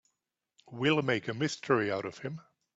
We'll make a mystery out of him.